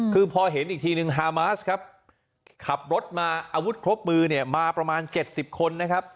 คือพอเห็นอีกทีนึงฮามาสครับขับรถมาอาวุธครบมือเนี่ยมาประมาณ๗๐คนนะครับ